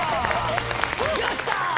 よっしゃー！